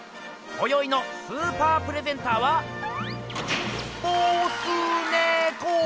こよいのスーパープレゼンターはボスネコー！